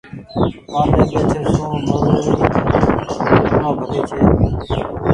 وآندي ٻيٺي سون مزوري ڪرڻو ڀلو ڇي۔